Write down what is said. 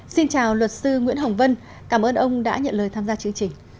xin chào luật sư nguyễn hồng vân cảm ơn ông đã nhận lời tham gia chương trình